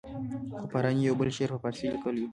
خو فاراني یو بل شعر په فارسي لیکلی وو.